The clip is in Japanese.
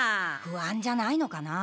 不安じゃないのかな。